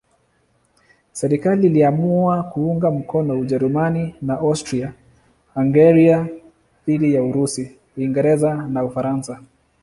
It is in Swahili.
Serikali iliamua kuunga mkono Ujerumani na Austria-Hungaria dhidi ya Urusi, Uingereza na Ufaransa.